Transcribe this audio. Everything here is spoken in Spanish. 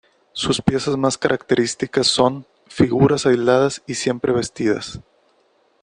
Sus piezas más características son, figuras aisladas y siempre vestidas.